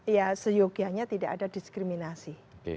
ya seyogianya tidak ada diskriminasi